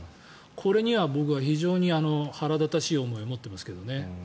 これには僕は非常に腹立たしい思いを持ってますけどね。